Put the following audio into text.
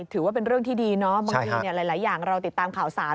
ถือว่าเป็นเรื่องที่ดีเนาะบางทีหลายอย่างเราติดตามข่าวสาร